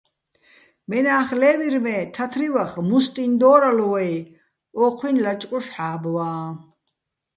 მენახ ლე́ვირ, მე თათრივახ "მუსტიჼ" დო́რალო̆ ვაჲ, ო́ჴუჲნი̆ ლაჭყუშ ჰ̦ა́ბვაჼ.